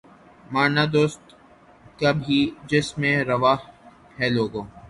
مارنا دوست کا بھی جس میں روا ہے لوگو